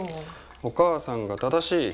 お母さんが正しい。